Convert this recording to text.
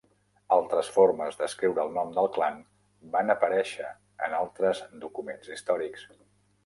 Altres formes d'escriure el nom del clan van aparèixer en altres documents històrics.